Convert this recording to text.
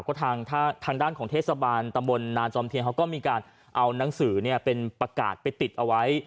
ก็ทางด้านของเทศบาลตำบลนาจอมเทียนเขาก็มีการเอานังสือเป็นประกาศไปติดเอาไว้